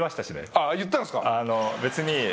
あっ言ったんすか？